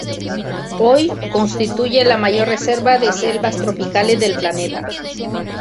Hoy, constituye la mayor reserva de selvas tropicales del planeta.